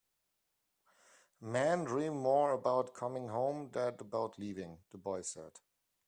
"Men dream more about coming home than about leaving," the boy said.